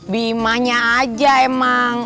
bimanya aja emang